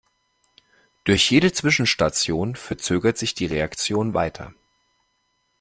Durch jede Zwischenstation verzögert sich die Reaktion weiter.